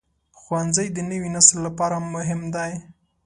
ښوونځی د نوي نسل لپاره مهم دی.